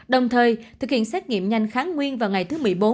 đồng thời thực hiện xét nghiệm nhanh kháng nguyên vào ngày thứ một mươi bốn